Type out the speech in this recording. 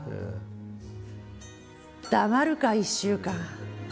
黙るかあ１週間。